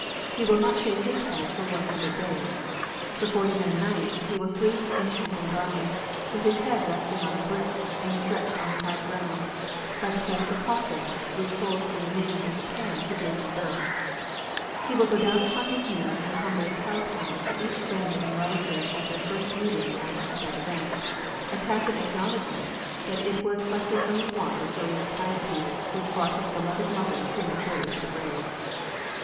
He will not shave his head for one hundred days. For forty nine nights he will sleep in a hempen garment, with his head resting on a brick and stretched on the hard ground, by the side of the coffin which holds the remains of the parent who gave him birth. He will go down upon his knees and humbly kotow to each friend and relative at their first meeting after the sad event — a tacit acknowledorment that it was but his own want of filial piety which brought his beloved mother prematurely to the grave.